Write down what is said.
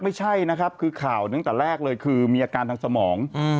ไม่ใช่นะครับคือข่าวตั้งแต่แรกเลยคือมีอาการทางสมอง